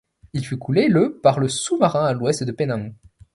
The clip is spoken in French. Il fut coulé le par le sous-marin à l'ouest de Penang.